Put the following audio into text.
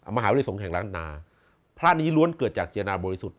มหาวิทยาสงฆ์แห่งล้านนาพระนี้ล้วนเกิดจากเจตนาบริสุทธิ์